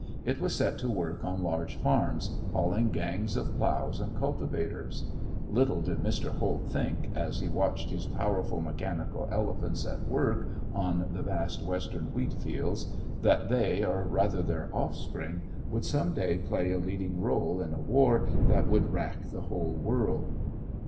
It was set to work on large farms, hauling gangs of plows and cultivators. Little did Mr. Holt think, as he watched his powerful mechanical elephants at work on the vast Western wheat fields, that they, or rather their offspring, would some day play a leading role in a war that would rack the whole world.